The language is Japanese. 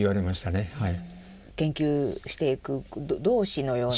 研究していく同志のような。